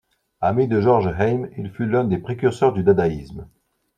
Ami de Georg Heym, il fut l'un des précurseurs du dadaïsme.